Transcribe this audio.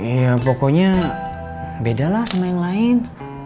ya pokoknya beda lah sama yang lain